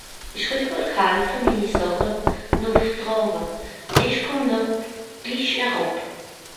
Ìch wìll gràd helfe, mini Sàche nùff traawe, ìch kùmm no glich eràb.